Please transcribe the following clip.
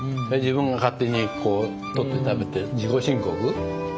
で自分が勝手にこう取って食べて自己申告？